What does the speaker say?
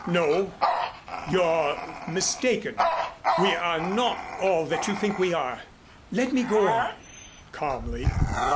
"No you're mistaken. We are not all that you think we are. Let me go on," calmly.